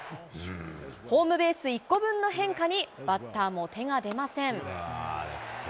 ホームベース１個分の変化に、バッターも手が出ません。